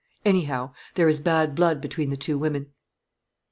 Anyhow, there is bad blood between the two women."